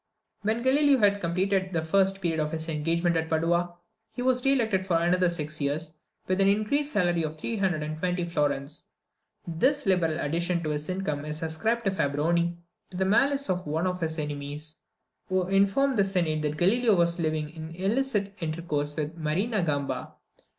When Galileo had completed the first period of his engagement at Padua, he was re elected for other six years, with an increased salary of 320 florins. This liberal addition to his income is ascribed by Fabbroni to the malice of one of his enemies, who informed the Senate that Galileo was living in illicit intercourse with Marina Gamba.